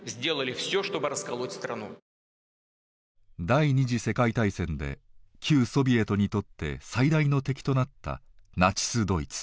第２次世界大戦で旧ソビエトにとって最大の敵となったナチスドイツ。